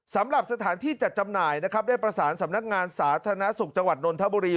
สำหรับสถานที่จัดจำหน่ายนะครับได้ประสานสำนักงานสาธารณสุขจังหวัดนนทบุรี